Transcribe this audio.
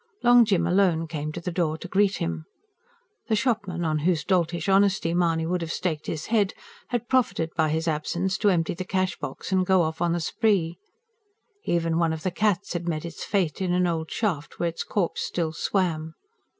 Long Jim alone came to the door to greet him. The shopman, on whose doltish honesty Mahony would have staked his head, had profited by his absence to empty the cash box and go off on the spree. Even one of the cats had met its fate in an old shaft, where its corpse still swam.